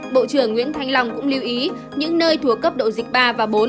bộ trưởng nguyễn thành long cũng lưu ý những nơi thua cấp độ dịch ba và bốn